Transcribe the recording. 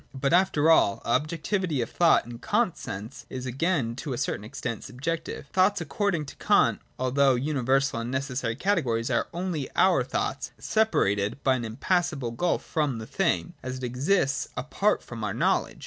But after all, objectivity of thought, in Kant's sense, is again to a certain extent subjective. Thoughts, according to Kant, although universal and necessary categories, are only our thoughts — separated by an impassable gulf from the thing, as it exists apart from our knowledge.